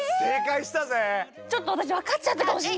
ちょっと私分かっちゃったかもしんない。